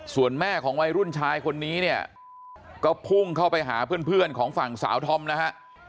ส่วนแม่ของวัยรุ่นชายคนนี้เนี่ยก็พุ่งเข้าไปหาเพื่อนของฝั่งสาวธอมนะฮะ